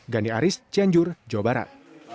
gandhi aris cianjur jawa barat